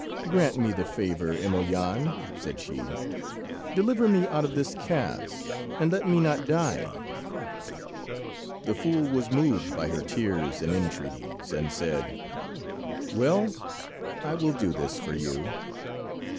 "Grant me the favour, Emelyan," said she; "deliver me out of this cask, and let me not die." The fool was moved by her tears and entreaties, and said— "Well, I will do this for you."